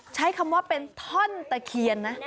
ใช้คำว่าเป็นท่อนตะเคียนนะ